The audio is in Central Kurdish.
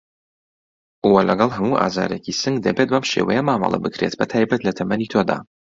وه لەگەڵ هەموو ئازارێکی سنگ دەبێت بەم شێوەیە مامەڵه بکرێت بەتایبەت لە تەمەنی تۆدا